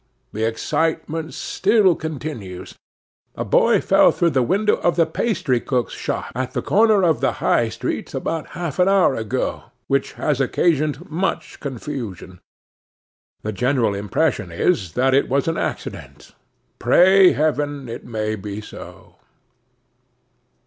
The excitement still continues. A boy fell through the window of the pastrycook's shop at the corner of the High street about half an hour ago, which has occasioned much confusion. The general impression is, that it was an accident. Pray heaven it may prove so!